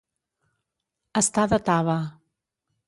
Estar de taba.